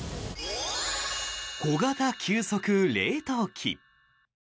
小型急速冷凍機。